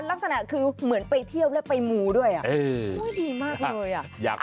ลักษณะคือเหมือนไปเที่ยวและไปมูด้วย